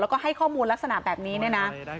แล้วก็ให้ข้อมูลลักษณะแบบนี้เนี่ยนะ